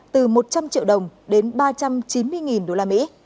từ một trăm linh triệu đồng đến ba trăm chín mươi đô la mỹ